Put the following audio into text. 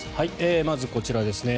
まず、こちらですね。